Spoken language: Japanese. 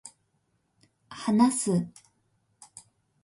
話す